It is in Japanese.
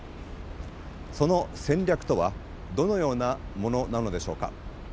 その戦略とはどのようなものなのでしょうか。